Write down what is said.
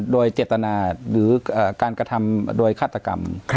โดยเจตนาหรือการกระทำโดยฆาตกรรม